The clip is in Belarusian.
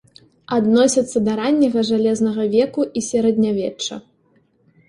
Адносяцца да ранняга жалезнага веку і сярэднявечча.